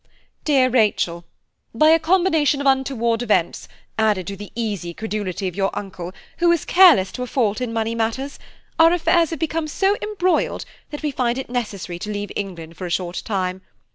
"DEAR RACHEL, "By a combination of untoward events, added to the easy credulity of your uncle, who is careless to a fault in money matters, our affairs have become so embroiled that we find it necessary to leave England for a short time.